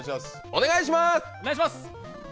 お願いします。